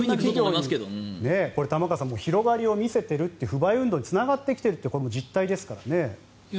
これ、玉川さん広がりを見せている不買運動につながってきているという実態ですからね。